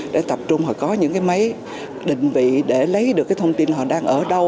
để tập trung họ có những cái máy định vị để lấy được cái thông tin họ đang ở đâu